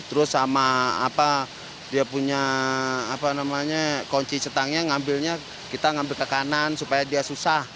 terus sama dia punya kunci cetangnya ngambilnya kita ngambil ke kanan supaya dia susah